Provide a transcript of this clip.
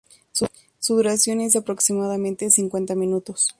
Su duración es de aproximadamente cincuenta minutos.